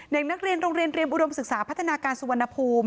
เด็กนักเรียนโรงเรียนเรียมอุดมศึกษาพัฒนาการสุวรรณภูมิ